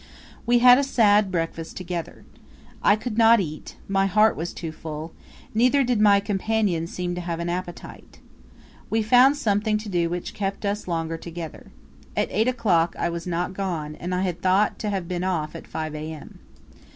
We had a sad breakfast together. I could not eat, my heart was too full; neither did my companion seem to have an appetite. We found something to do which kept us longer together. At 8 o'clock I was not gone, and I had thought to have been off at 5 A.M.